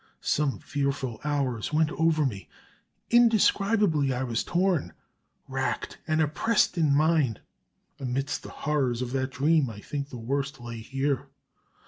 Some fearful hours went over me; indescribably was I torn, racked and oppressed in mind. Amidst the horrors of that dream I think the worst lay here.